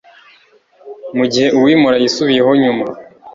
Mu gihe uwimura yisubiyeho nyuma